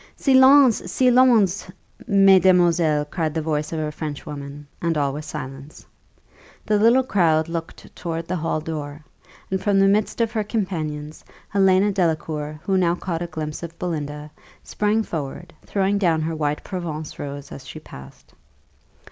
"Silence, silence, mesdemoiselles!" cried the voice of a French woman, and all was silence. The little crowd looked towards the hall door; and from the midst of her companions, Helena Delacour, who now caught a glimpse of Belinda, sprang forward, throwing down her white Provence rose as she passed.